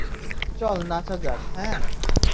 চল, নাচা যাক, হ্যাঁ?